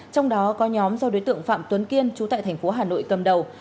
trong đó có nhóm do đối tượng phạm tuấn kiên chú tại thành phố hà nội cầm đầu